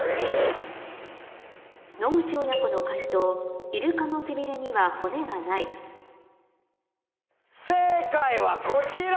野口親子の解答「イルカの背びれには骨がない正解はこちら！